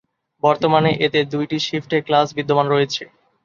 বর্তমানে এতে দুইটি শিফটে ক্লাস বিদ্যমান রয়েছে।